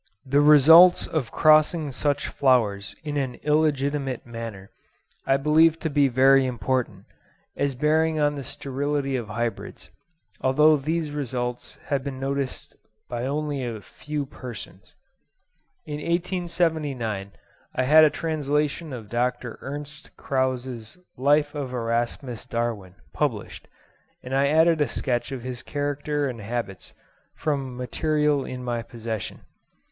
The results of crossing such flowers in an illegitimate manner, I believe to be very important, as bearing on the sterility of hybrids; although these results have been noticed by only a few persons. In 1879, I had a translation of Dr. Ernst Krause's 'Life of Erasmus Darwin' published, and I added a sketch of his character and habits from material in my possession.